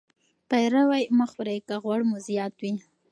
پیروي مه خورئ که غوړ مو زیات وي.